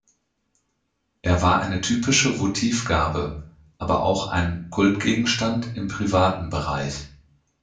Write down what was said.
Er war eine typische Votivgabe, aber auch ein Kultgegenstand im privaten Bereich.